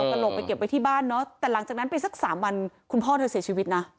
ตลกไปเก็บไว้ที่บ้านเนอะแต่หลังจากนั้นไปสักสามวันคุณพ่อเธอเสียชีวิตนะ